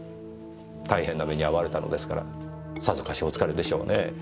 大変な目に遭われたのですからさぞかしお疲れでしょうね。